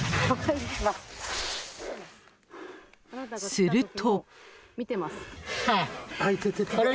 ［すると］